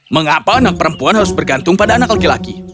mengapa anak perempuan harus bergantung pada anak laki laki